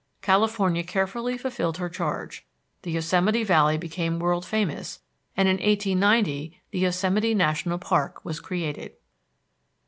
California carefully fulfilled her charge. The Yosemite Valley became world famous, and in 1890 the Yosemite National Park was created.